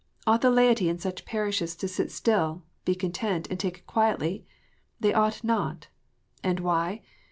Ought the laity in such parishes to sit still, be content, and take it quietly? They ought not. And why?